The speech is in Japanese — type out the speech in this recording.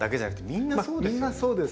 みんなそうですよね。